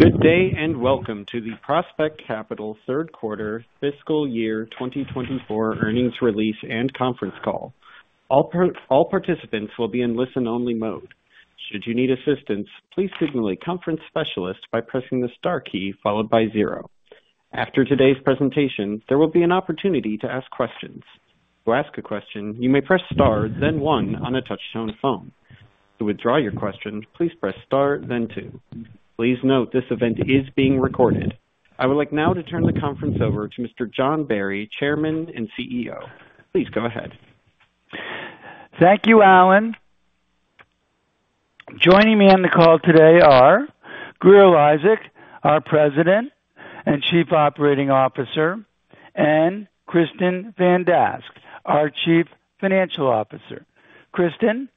Good day and welcome to the Prospect Capital third quarter fiscal year 2024 earnings release and conference call. All participants will be in listen-only mode. Should you need assistance, please signal a conference specialist by pressing the star key followed by zero. After today's presentation, there will be an opportunity to ask questions. To ask a question, you may press star, then one on a touch-tone phone. To withdraw your question, please press star, then two. Please note this event is being recorded. I would like now to turn the conference over to Mr. John Barry, Chairman and CEO. Please go ahead. Thank you, Allen. Joining me on the call today are Grier Eliasek, our President and Chief Operating Officer, and Kristin Van Dask, our Chief Financial Officer. Kristin?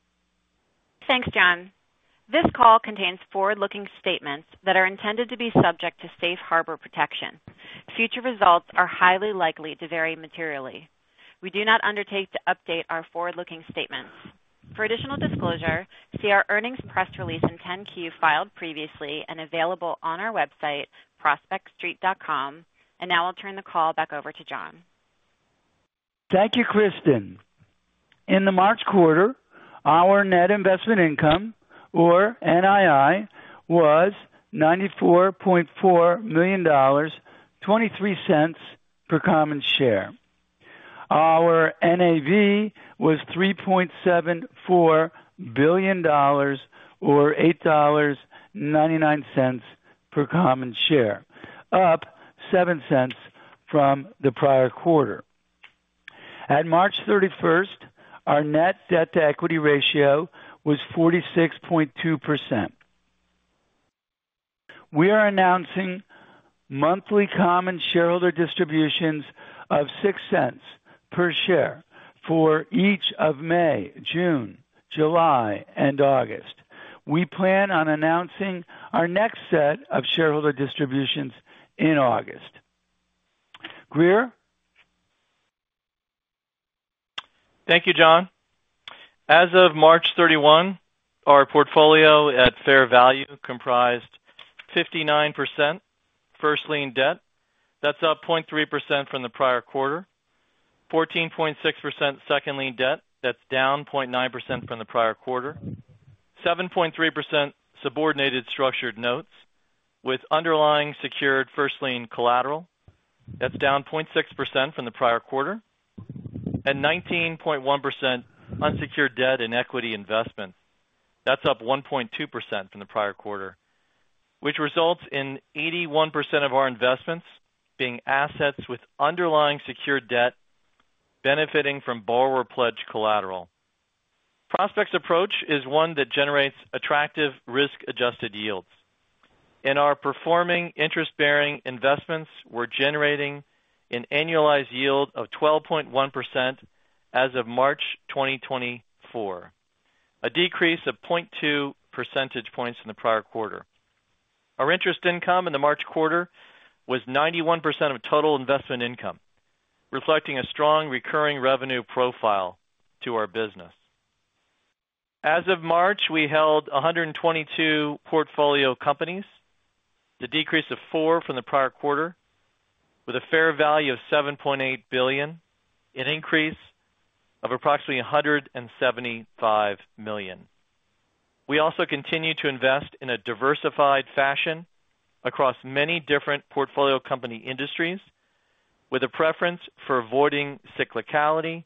Thanks, John. This call contains forward-looking statements that are intended to be subject to safe harbor protection. Future results are highly likely to vary materially. We do not undertake to update our forward-looking statements. For additional disclosure, see our earnings press release in 10-Q filed previously and available on our website, prospectstreet.com. Now I'll turn the call back over to John. Thank you, Kristin. In the March quarter, our net investment income, or NII, was $94.4 million, $0.23 per common share. Our NAV was $3.74 billion, or $8.99 per common share, up $0.07 from the prior quarter. At March 31st, our net debt-to-equity ratio was 46.2%. We are announcing monthly common shareholder distributions of $0.06 per share for each of May, June, July, and August. We plan on announcing our next set of shareholder distributions in August. Grier? Thank you, John. As of March 31, our portfolio at fair value comprised 59% First Lien Debt. That's up 0.3% from the prior quarter. 14.6% Second Lien Debt. That's down 0.9% from the prior quarter. 7.3% Subordinated Structured Notes with underlying secured first lien collateral. That's down 0.6% from the prior quarter. And 19.1% unsecured debt and equity investments. That's up 1.2% from the prior quarter, which results in 81% of our investments being assets with underlying secured debt benefiting from borrower pledge collateral. Prospect's approach is one that generates attractive risk-adjusted yields. In our performing interest-bearing investments, we're generating an annualized yield of 12.1% as of March 2024, a decrease of 0.2 percentage points in the prior quarter. Our interest income in the March quarter was 91% of total investment income, reflecting a strong recurring revenue profile to our business. As of March, we held 122 portfolio companies, a decrease of 4 from the prior quarter, with a fair value of $7.8 billion, an increase of approximately $175 million. We also continue to invest in a diversified fashion across many different portfolio company industries, with a preference for avoiding cyclicality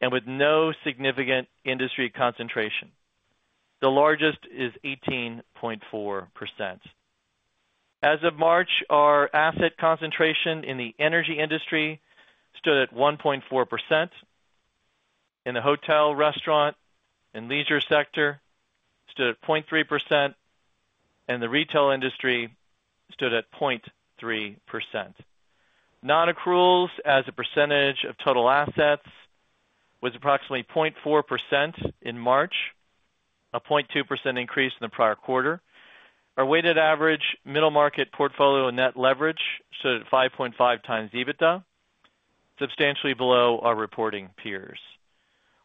and with no significant industry concentration. The largest is 18.4%. As of March, our asset concentration in the energy industry stood at 1.4%. In the hotel, restaurant, and leisure sector, it stood at 0.3%. The retail industry stood at 0.3%. Non-Accruals, as a percentage of total assets, was approximately 0.4% in March, a 0.2% increase in the prior quarter. Our weighted average middle market portfolio net leverage stood at 5.5x EBITDA, substantially below our reporting peers.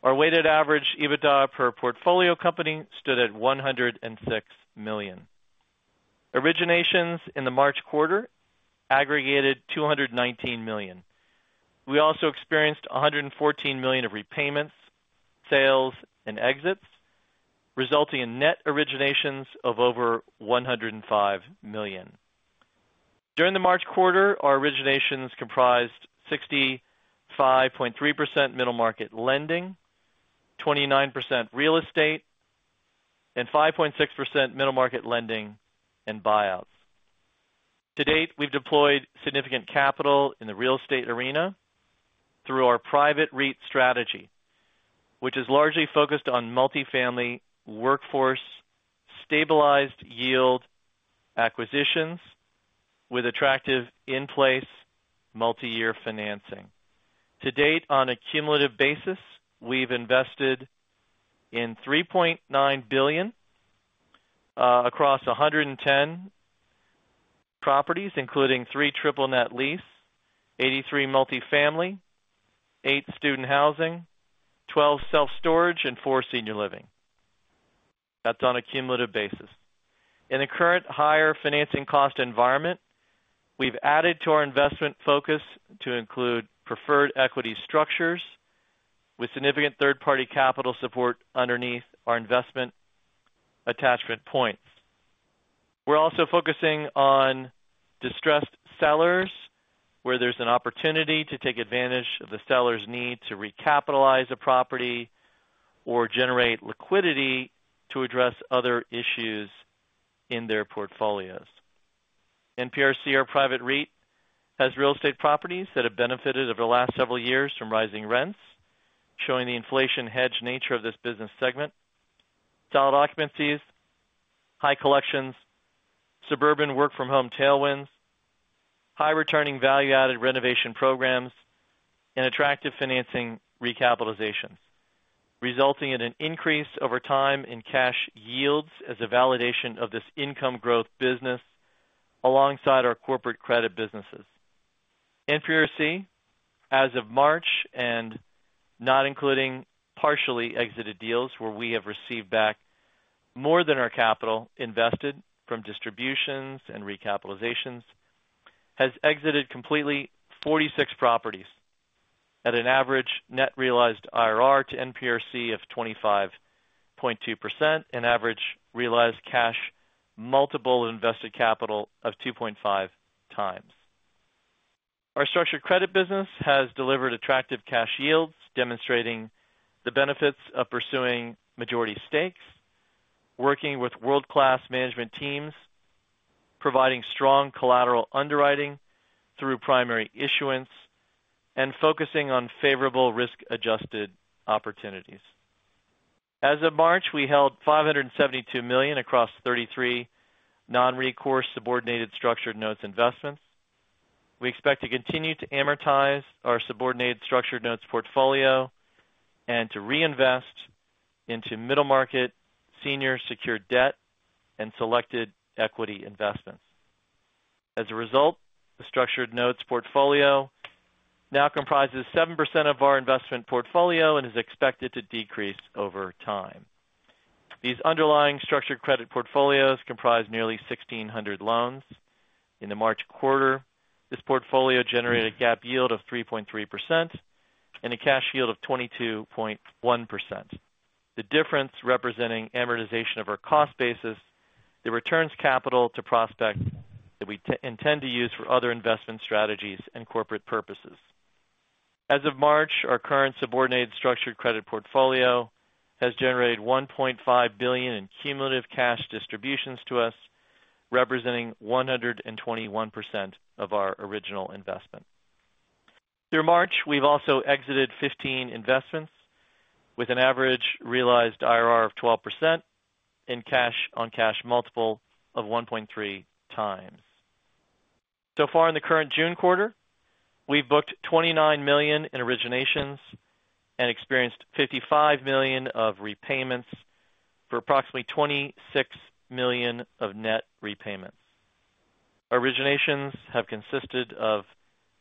Our weighted average EBITDA per portfolio company stood at $106 million. Originations in the March quarter aggregated $219 million. We also experienced $114 million of repayments, sales, and exits, resulting in net originations of over $105 million. During the March quarter, our originations comprised 65.3% middle market lending, 29% real estate, and 5.6% middle market lending and buyouts. To date, we've deployed significant capital in the real estate arena through our private REIT strategy, which is largely focused on multifamily workforce stabilized yield acquisitions with attractive in-place multi-year financing. To date, on a cumulative basis, we've invested in $3.9 billion across 110 properties, including three triple net lease, 83 multifamily, eight student housing, 12 self-storage, and four senior living. That's on a cumulative basis. In the current higher financing cost environment, we've added to our investment focus to include preferred equity structures with significant third-party capital support underneath our investment attachment points. We're also focusing on distressed sellers, where there's an opportunity to take advantage of the seller's need to recapitalize a property or generate liquidity to address other issues in their portfolios. NPRC Private REIT has real estate properties that have benefited over the last several years from rising rents, showing the inflation-hedged nature of this business segment: solid occupancies, high collections, suburban work-from-home tailwinds, high-returning value-added renovation programs, and attractive financing recapitalizations, resulting in an increase over time in cash yields as a validation of this income growth business alongside our corporate credit businesses. NPRC, as of March and not including partially exited deals where we have received back more than our capital invested from distributions and recapitalizations, has exited completely 46 properties at an average net realized IRR to NPRC of 25.2%, an average realized cash multiple of invested capital of 2.5x. Our structured credit business has delivered attractive cash yields, demonstrating the benefits of pursuing majority stakes, working with world-class management teams, providing strong collateral underwriting through primary issuance, and focusing on favorable risk-adjusted opportunities. As of March, we held $572 million across 33 non-recourse subordinated structured notes investments. We expect to continue to amortize our subordinated structured notes portfolio and to reinvest into middle market senior secured debt and selected equity investments. As a result, the structured notes portfolio now comprises 7% of our investment portfolio and is expected to decrease over time. These underlying structured credit portfolios comprise nearly 1,600 loans. In the March quarter, this portfolio generated a GAAP yield of 3.3% and a cash yield of 22.1%, the difference representing amortization of our cost basis, the returns capital to Prospect that we intend to use for other investment strategies and corporate purposes. As of March, our current subordinated structured credit portfolio has generated $1.5 billion in cumulative cash distributions to us, representing 121% of our original investment. Through March, we've also exited 15 investments with an average realized IRR of 12% and cash on cash multiple of 1.3x. So far in the current June quarter, we've booked $29 million in originations and experienced $55 million of repayments for approximately $26 million of net repayments. Originations have consisted of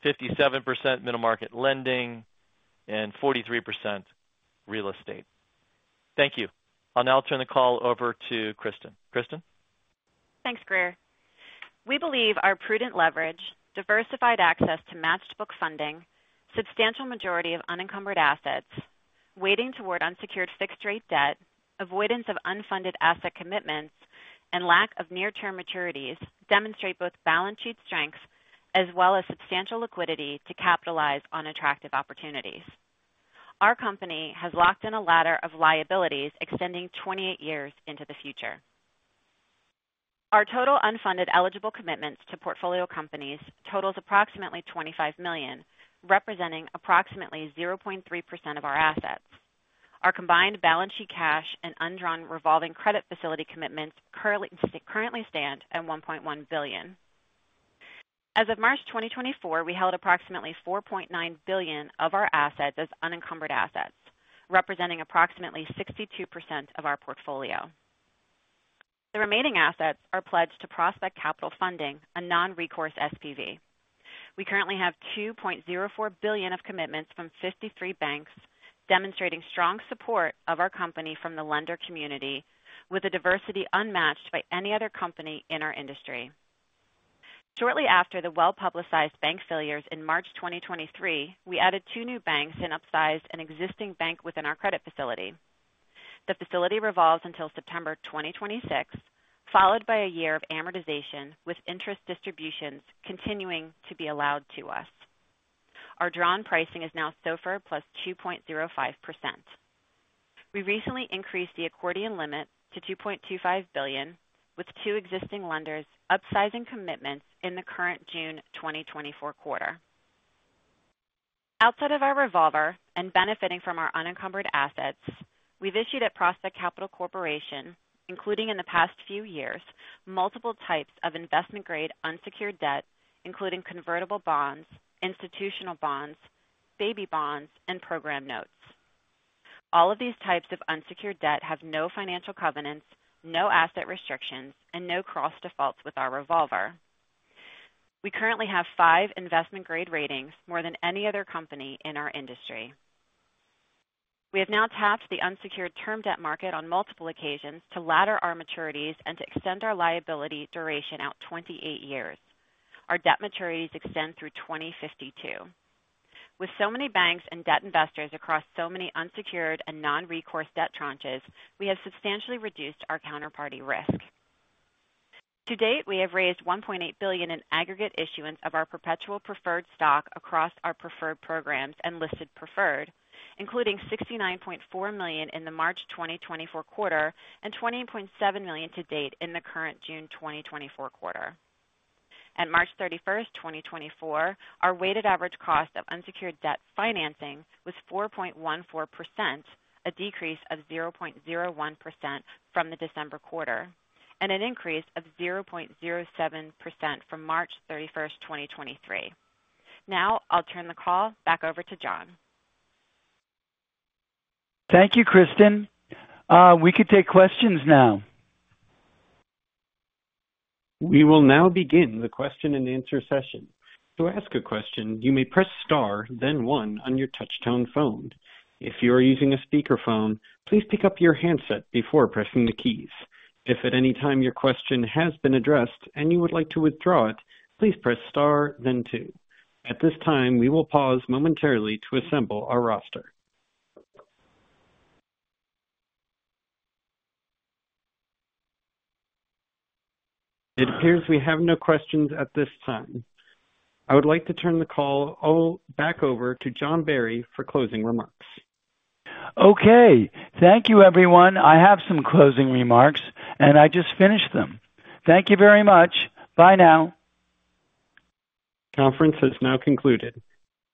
57% middle market lending and 43% real estate. Thank you. I'll now turn the call over to Kristin. Kristin? Thanks, Grier. We believe our prudent leverage, diversified access to matched-book funding, substantial majority of unencumbered assets, weighting toward unsecured fixed-rate debt, avoidance of unfunded asset commitments, and lack of near-term maturities demonstrate both balance sheet strengths as well as substantial liquidity to capitalize on attractive opportunities. Our company has locked in a ladder of liabilities extending 28 years into the future. Our total unfunded eligible commitments to portfolio companies totals approximately $25 million, representing approximately 0.3% of our assets. Our combined balance sheet cash and undrawn revolving credit facility commitments currently stand at $1.1 billion. As of March 2024, we held approximately $4.9 billion of our assets as unencumbered assets, representing approximately 62% of our portfolio. The remaining assets are pledged to Prospect Capital Funding, a non-recourse SPV. We currently have $2.04 billion of commitments from 53 banks, demonstrating strong support of our company from the lender community, with a diversity unmatched by any other company in our industry. Shortly after the well-publicized bank failures in March 2023, we added two new banks and upsized an existing bank within our credit facility. The facility revolves until September 2026, followed by a year of amortization with interest distributions continuing to be allowed to us. Our drawn pricing is now SOFR plus 2.05%. We recently increased the accordion limit to $2.25 billion with two existing lenders, upsizing commitments in the current June 2024 quarter. Outside of our revolver and benefiting from our unencumbered assets, we've issued at Prospect Capital Corporation, including in the past few years, multiple types of investment-grade unsecured debt, including convertible bonds, institutional bonds, baby bonds, and program notes. All of these types of unsecured debt have no financial covenants, no asset restrictions, and no cross-defaults with our revolver. We currently have five investment-grade ratings more than any other company in our industry. We have now tapped the unsecured term debt market on multiple occasions to ladder our maturities and to extend our liability duration out 28 years. Our debt maturities extend through 2052. With so many banks and debt investors across so many unsecured and non-recourse debt tranches, we have substantially reduced our counterparty risk. To date, we have raised $1.8 billion in aggregate issuance of our perpetual preferred stock across our preferred programs and listed preferred, including $69.4 million in the March 2024 quarter and $28.7 million to date in the current June 2024 quarter. At March 31, 2024, our weighted average cost of unsecured debt financing was 4.14%, a decrease of 0.01% from the December quarter, and an increase of 0.07% from March 31, 2023. Now I'll turn the call back over to John. Thank you, Kristin. We could take questions now. We will now begin the question-and-answer session. To ask a question, you may press star, then one on your touch-tone phone. If you are using a speakerphone, please pick up your handset before pressing the keys. If at any time your question has been addressed and you would like to withdraw it, please press star, then two. At this time, we will pause momentarily to assemble our roster. It appears we have no questions at this time. I would like to turn the call back over to John Barry for closing remarks. Okay. Thank you, everyone. I have some closing remarks, and I just finished them. Thank you very much. Bye now. Conference has now concluded.